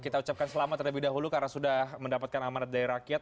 kita ucapkan selamat terlebih dahulu karena sudah mendapatkan amanat dari rakyat